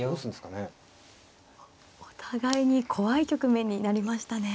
お互いに怖い局面になりましたね。